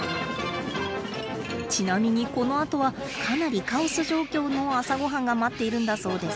ちなみにこのあとはかなりカオス状況の朝ごはんが待っているんだそうです。